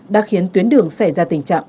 đã khiến tuyến đường xảy ra tình trạng